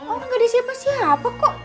orang gadis siapa siapa kok